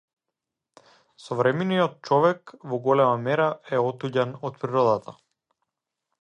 Современиот човек во голема мера е отуѓен од природата.